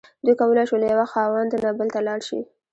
دوی کولی شول له یوه خاوند نه بل ته لاړ شي.